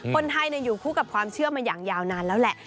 คนไทยอยู่คู่กับความเชื่อมาอย่างยาวนานแล้วแหละ